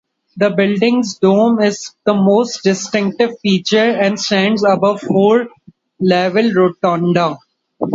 The building's dome is its most distinctive feature and stands above a four-level rotunda.